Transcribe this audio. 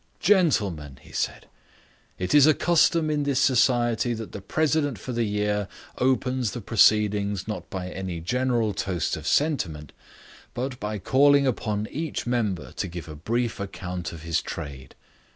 "Gentlemen," he said, "it is a custom in this society that the president for the year opens the proceedings not by any general toast of sentiment, but by calling upon each member to give a brief account of his trade.